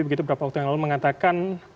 begitu beberapa waktu yang lalu mengatakan